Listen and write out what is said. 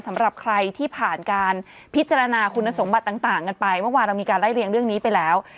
สำหรับใครที่ผ่านการพิจารณาคุณสมบัติต่างกันไปเมื่อวานเรามีการไล่เรียงเรื่องนี้ไปแล้ว